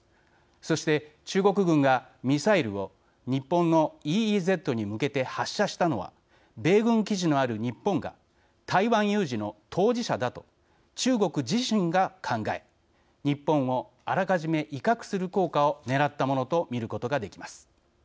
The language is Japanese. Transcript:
そして、中国軍がミサイルを日本のＥＥＺに向けて発射したのは米軍基地のある日本が台湾有事の当事者だと中国自身が考え、日本をあらかじめ威嚇する効果をねらったものと見ることができます。